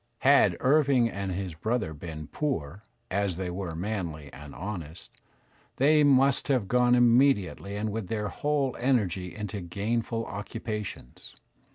Had Irving and his brother been poor, as they were manly and honest, they must have gone iounediately and with their' whole energy into gainful occupations.